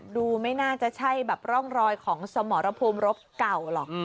ไม่น่าจะใช่แบบร่องรอยของสมรภูมิรบเก่าหรอก